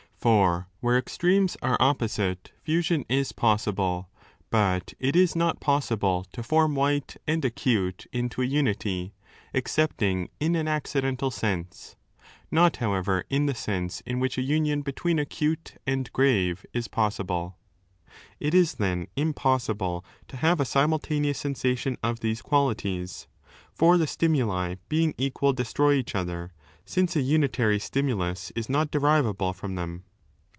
(For where extremes are opposite, fusion is possible, but it is not possible to form white and acute 447^ into a unity, excepting in an accidental sense, not how ever in the sense in which a union between acute and grave is possible.) It is, then, impossible to have a simultaneous sensation of these qualities. For the 6 stimuli being equal destroy each other, since a unitary stimulus is not derivable from them.